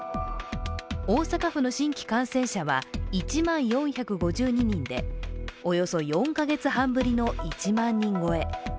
大阪府の新規感染者は１万４５２人で、およそ４カ月半ぶりの１万人超え。